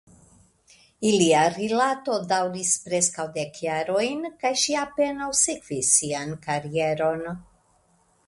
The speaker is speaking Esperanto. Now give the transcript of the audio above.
Ilia rilato daŭris preskaŭ dek jarojn kaj ŝi apenaŭ sekvis sian karieron.